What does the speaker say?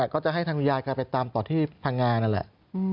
ก็จะให้ทางคุณยายแกไปตามต่อที่พังงานั่นแหละ